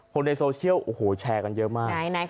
คนในโซเชียลโอ้โหแชร์กันเยอะมาก